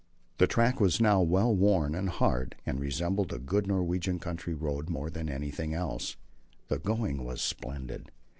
The track was now well worn and hard, and resembled a good Norwegian country road more than anything else. The going was splendid.